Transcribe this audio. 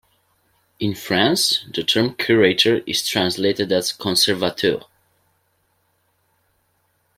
In France, the term curator is translated as "conservateur".